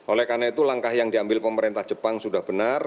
oleh karena itu langkah yang diambil pemerintah jepang sudah benar